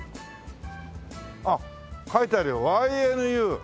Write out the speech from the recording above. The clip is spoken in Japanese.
あっ書いてあるよ「ＹＮＵ」。